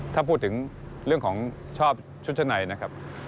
ถ้าพูดถึงเรื่องของชอบชุดชั้นในนะครับ